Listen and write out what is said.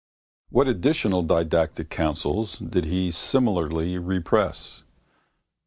What additional didactic counsels did he similarly repress?